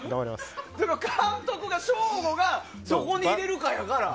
でも、監督が省吾がどこに入れるかやから。